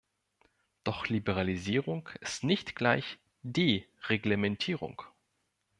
Doch Liberalisierung ist nicht gleich Dereglementierung.